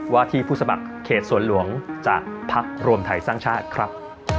ที่ผู้สมัครเขตสวนหลวงจากภักดิ์รวมไทยสร้างชาติครับ